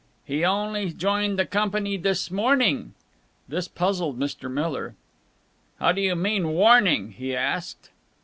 "He only joined the company this morning!" This puzzled Mr. Miller. "How do you mean, warning?" he asked.